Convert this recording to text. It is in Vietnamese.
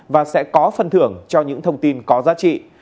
và sẽ có phần thưởng cho những thông tin có giá trị